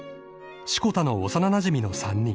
［志子田の幼なじみの３人］